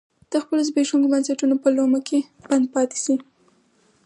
د خپلو زبېښونکو بنسټونو په لومه کې بند پاتې شي.